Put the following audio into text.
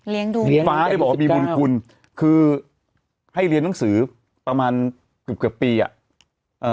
เลี้ยงฟ้าได้บอกว่ามีบุญคุณคือให้เรียนหนังสือประมาณเกือบเกือบปีอ่ะเอ่อ